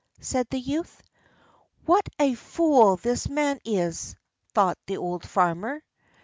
said the youth. "What a fool the man is!" thought the old farmer.